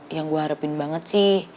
yang gue harapin banget sih